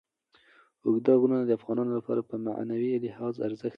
اوږده غرونه د افغانانو لپاره په معنوي لحاظ ارزښت لري.